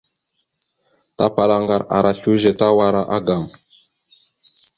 Tapala aŋgar ara slʉze tawara agam.